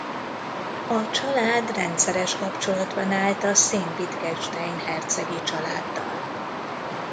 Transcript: A család rendszeres kapcsolatban állt a Sayn-Wittgenstein hercegi családdal.